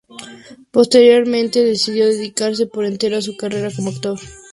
Posteriormente decidió dedicarse por entero a su carrera como actor.